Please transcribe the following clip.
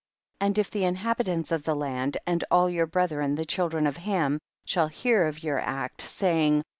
9. And if the inhabitants of the land and all vour brethren the children of Ham, shall hear of your act, saying, 10.